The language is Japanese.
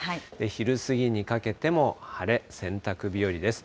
昼過ぎにかけても晴れ、洗濯日和です。